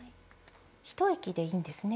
一息でいいんですね